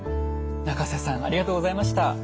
仲瀬さんありがとうございました。